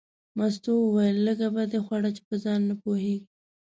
مستو وویل لږه به دې خوړه چې په ځان نه پوهېږې.